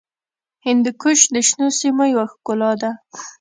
هندوکش د شنو سیمو یوه ښکلا ده.